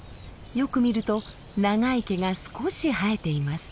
よく見ると長い毛が少し生えています。